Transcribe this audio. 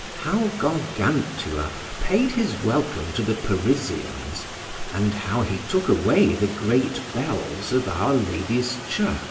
How Gargantua paid his welcome to the Parisians, and how he took away the great bells of Our Lady's Church.